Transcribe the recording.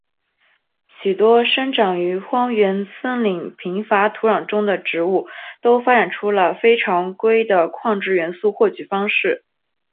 许多生长于荒原森林贫乏土壤中的植物都发展出了非常规的矿质元素获取方式。